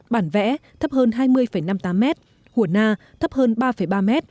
bản vẽ thấp hơn hai mươi năm mươi tám m hùa na thấp hơn hai ba mươi tám m